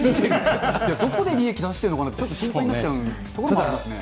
どこで利益出しているのかなって、心配になっちゃうところですね。